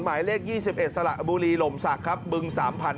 หมายเลขยี่สิบเอ็ดสระบุรีลมศักดิ์ครับบึงสามพัน